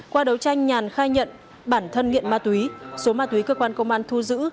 qua đấu tranh nhàn khai nhận bản thân nghiện ma túy số ma túy cơ quan công an thu giữ